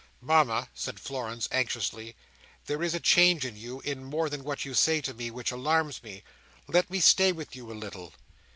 "Mama," said Florence, anxiously, "there is a change in you, in more than what you say to me, which alarms me. Let me stay with you a little."